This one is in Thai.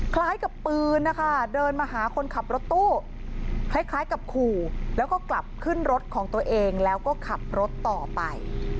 คล้ายกับปืนนะคะเดินมาหาคนขับรถตู้คล้ายกับขู่แล้วก็กลับขึ้นรถของตัวเองแล้วก็ขับรถต่อไป